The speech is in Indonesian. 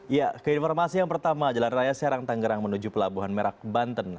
ya keinformasi yang pertama jalan raya serang tangerang menuju pelabuhan merak banten